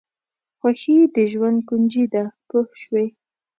خوښي د ژوند کونجي ده پوه شوې!.